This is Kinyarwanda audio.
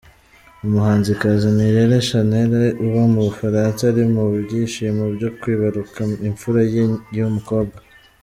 Umuhanzikazi Nirere Shanel uba mu Bufaransa ari mubyishimo byo kwibaruka imfura ye y’umukobwa.